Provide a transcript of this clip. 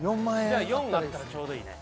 じゃあ４あったらちょうどいいね。